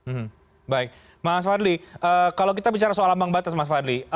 hmm baik mas fadli kalau kita bicara soal ambang batas mas fadli